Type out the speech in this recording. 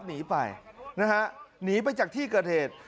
หนีไปนะฮะหนีไปจากที่เกิดเหตุ